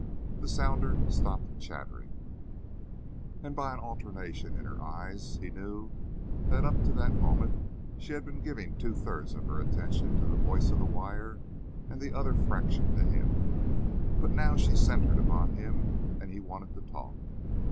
The sounder stopped chattering, and by an alternation in her eyes he knew that up to that moment she had been giving two thirds of her attention to the voice of the wire and the other fraction to him; but now she centered upon him, and he wanted to talk.